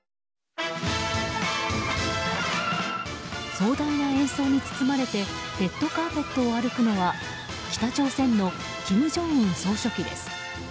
壮大な演奏に包まれてレッドカーペットを歩くのは北朝鮮の金正恩総書記です。